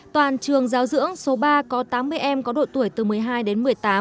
toàn trường giáo dưỡng số ba có tám mươi em có độ tuổi từ một mươi hai đến một mươi tám